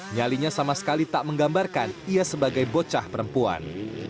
nyalinya sama sekali tak menggambarkan ia sebagai bocah perempuan